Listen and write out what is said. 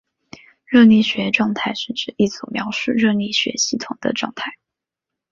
热力学状态是指一组描述热力学系统的状态。